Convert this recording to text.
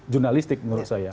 jurnalistik menurut saya